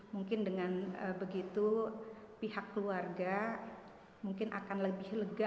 mungkin dengan begitu pihak keluarga mungkin akan lebih lega